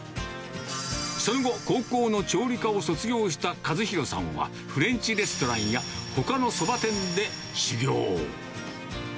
その後、高校の調理科を卒業した和宏さんは、フレンチレストランやほかのそば店で修業。